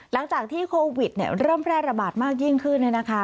หลังจากที่โควิดเริ่มแพร่ระบาดมากยิ่งขึ้น